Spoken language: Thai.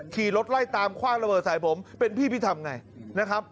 ขี่รถไล่ตามคว่างระเบิดสายผมเป็นพี่ทำยังไง